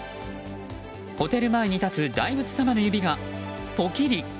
ホテル前に立つ大仏様の指がぽきり。